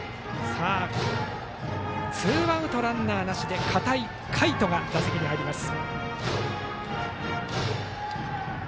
ツーアウト、ランナーなしで片井海斗が打席に入ります。